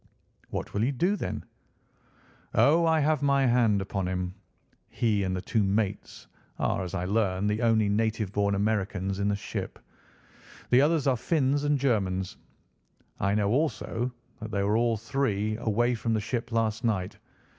"What will you do, then?" "Oh, I have my hand upon him. He and the two mates, are as I learn, the only native born Americans in the ship. The others are Finns and Germans. I know, also, that they were all three away from the ship last night.